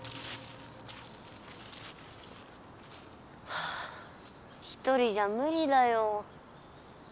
はあ一人じゃムリだよ。